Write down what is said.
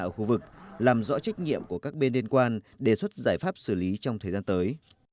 ở khu vực làm rõ trách nhiệm của các bên liên quan đề xuất giải pháp xử lý trong thời gian tới